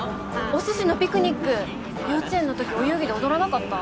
おすしのピクニック幼稚園の時お遊戯で踊らなかった？